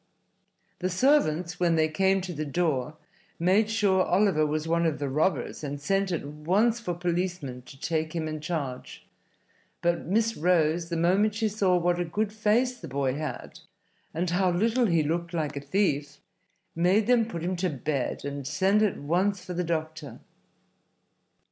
The servants, when they came to the door, made sure Oliver was one of the robbers, and sent at once for policemen to take him in charge; but Miss Rose, the moment she saw what a good face the boy had and how little he looked like a thief, made them put him to bed and send at once for the doctor.